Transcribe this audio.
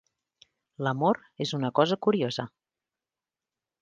L'amor és una cosa curiosa.